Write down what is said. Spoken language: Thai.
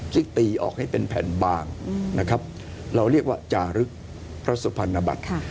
ซึ่งตีออกให้เป็นแผ่นบางนะครับเราเรียกว่าจารึกพระสุพรรณบัตร